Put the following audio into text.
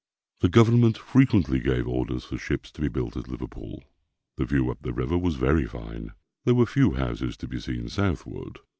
The government frequently gave orders for ships to be built at Liverpool. The view up the river was very fine. There were few houses to be seen southward.